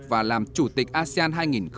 và làm chủ tịch asean hai nghìn hai mươi